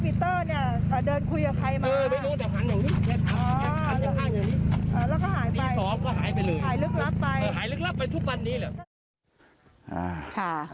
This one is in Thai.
เป็นทุกวันนี้แหละ